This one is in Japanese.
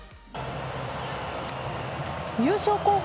優勝候補